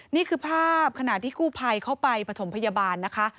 นี่คือภาพขณะที่กู้ภัยเข้าไปปฐมพยาบาลนะคะ